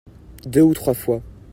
deux ou trois fois.